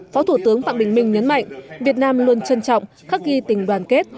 phó thủ tướng phạm bình minh nhấn mạnh việt nam luôn trân trọng khắc ghi tình đoàn kết